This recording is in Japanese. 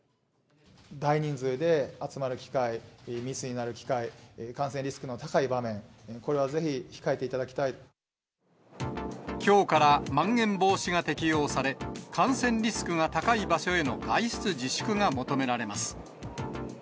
大人数で集まる機会、密になる機会、感染リスクの高い場面、これはぜひ控えていただききょうから、まん延防止が適用され、感染リスクが高い場所への外出自粛が求められます。